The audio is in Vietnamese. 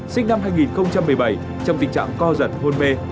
sinh năm hai nghìn một mươi bảy trong tình trạng co giật hôn mê